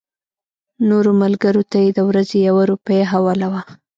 نورو ملګرو ته یې د ورځې یوه روپۍ حواله وه.